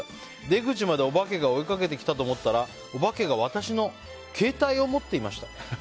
出口までお化けが追いかけてきたと思ったらお化けが私の携帯を持っていました。